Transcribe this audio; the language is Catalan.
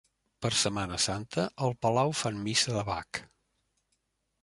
Per Setmana Santa, al Palau fan missa de Bach.